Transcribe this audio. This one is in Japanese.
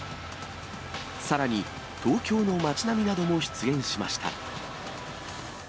さらに、東京の街並みなども出現しました。